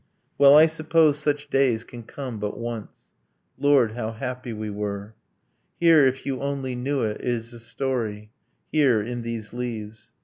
Well, I suppose such days can come but once. Lord, how happy we were! ... Here, if you only knew it, is a story Here, in these leaves.